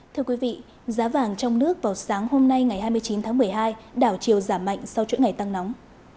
thưa quý vị giá vàng trong nước vào sáng hôm nay ngày hai mươi chín tháng một mươi hai đảo chiều giảm mạnh sau chuỗi ngày tăng nóng